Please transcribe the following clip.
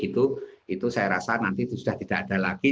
itu saya rasa nanti itu sudah tidak ada lagi